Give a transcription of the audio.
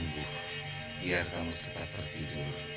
aku akan membantumu